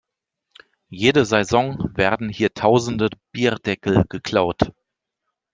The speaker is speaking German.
Jede Saison werden hier tausende Bierdeckel geklaut.